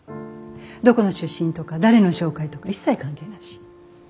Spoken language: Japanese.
どこの出身とか誰の紹介とか一切関係なし。